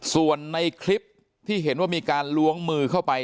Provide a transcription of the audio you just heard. ส่วนในคลิปที่เห็นว่ามีการล้วงมือเข้าไป